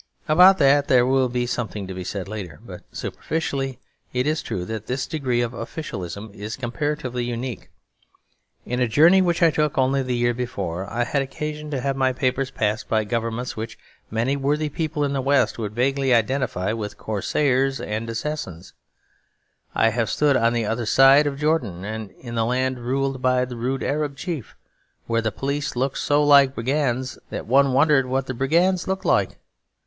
About that there will be something to be said later; but superficially it is true that this degree of officialism is comparatively unique. In a journey which I took only the year before I had occasion to have my papers passed by governments which many worthy people in the West would vaguely identify with corsairs and assassins; I have stood on the other side of Jordan, in the land ruled by a rude Arab chief, where the police looked so like brigands that one wondered what the brigands looked like.